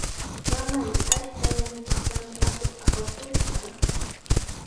¡Mamay, ashkallanchiktami atuq apakushqa!